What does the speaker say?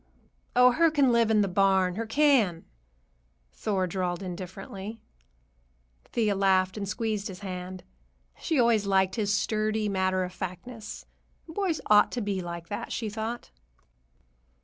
"Oh, her can live in the barn, her can," Thor drawled indifferently. Thea laughed and squeezed his hand. She always liked his sturdy matter of factness. Boys ought to be like that, she thought.